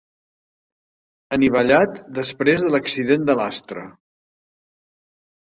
Anivellat després de l'accident de l'Astra.